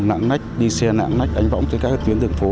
nãng nách đi xe nãng nách đánh bóng tới các tuyến đường phố